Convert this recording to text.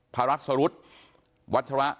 พระรักษรุศวัชวะ